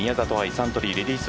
サントリーレディス